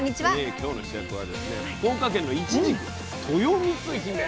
今日の主役はですね福岡県のいちじくとよみつひめ。